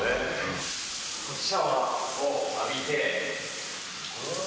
シャワーを浴びて。